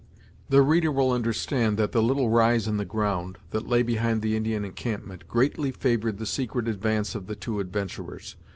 The reader will understand that the little rise in the ground, that lay behind the Indian encampment, greatly favoured the secret advance of the two adventurers.